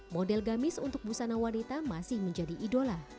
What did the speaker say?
model gamis untuk busana wanita masih menjadi idola